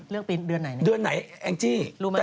เลือกเป็นเดือนไหนน่ะดีเบตกันล่ะนะ